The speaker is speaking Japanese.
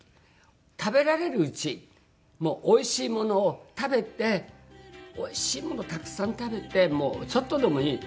食べられるうちもうおいしいものを食べておいしいものをたくさん食べてもうちょっとでもいい。